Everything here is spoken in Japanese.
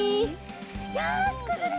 よしくぐれた！